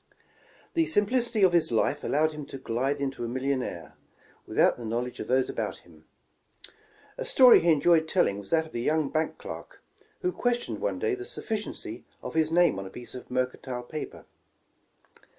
Tlie simplicity of his life allowed him to glide into a millionaire, without the knowledge of those about him. ''A story he enjoyed telling was that of a young bank clerk, who questioned one day the sufficiency of his name on a piece of mercantile paper.